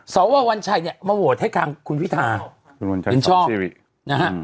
สอวรวันชัยเนี่ยมาโหวตให้ครั้งคุณพิธาเห็นชอบนะฮะ